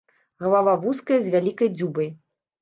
Галава вузкая з вялікай дзюбай.